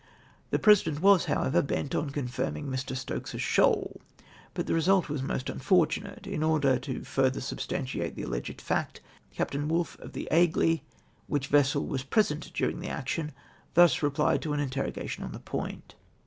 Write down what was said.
The President was, however, bent on conhrming Mr. Stokes's shoal, but the result was most unfortunate. In order further to substantiate the aheged fact. Captain Woolfe of the Aigle, which vessel was present during the action, thus replied to an interrogation on the point.